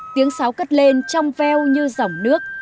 tiếng sáo cất lên trong veo như dòng nước